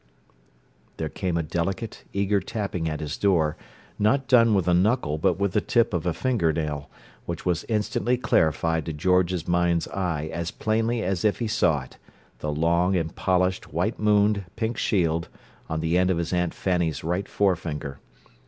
There came a delicate, eager tapping at his door, not done with a knuckle but with the tip of a fingernail, which was instantly clarified to George's mind's eye as plainly as if he saw it: the long and polished white mooned pink shield on the end of his Aunt Fanny's right forefinger.